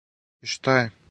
И шта је?